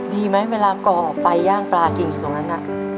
ดีไหมเวลาก่อไปย่างปลากินอยู่ตรงนั้นน่ะ